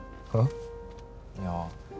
いや